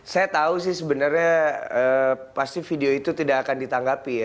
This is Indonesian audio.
saya tahu sih sebenarnya pasti video itu tidak akan ditanggapi ya